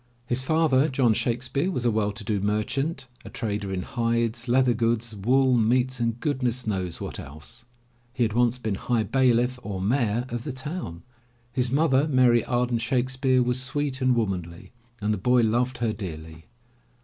His father, John Shakes peare, was a well to do merchant, a trader in hides, leather goods, wool, meats and goodness knows what else. He had once been High Bailiff or Mayor of the town. His mother, Mary Arden Shakespeare, was sweet and womanly, and the boy loved her dearly.